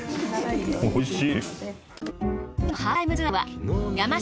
おいしい！